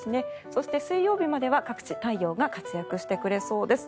そして、水曜日までは各地太陽が活躍してくれそうです。